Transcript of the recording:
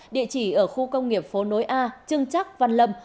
địa chỉ ở khu công nghiệp phố nối a trưng trắc văn lâm